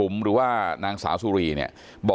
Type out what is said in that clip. ไม่ตั้งใจครับ